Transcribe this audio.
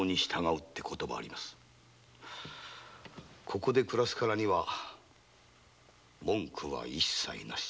ここで暮らすからには文句はいっさいなし。